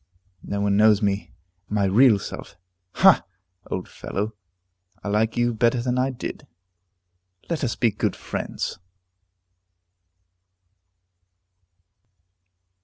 No one knows me. My real self Ha! old fellow, I like you better than I did; let us be good friends.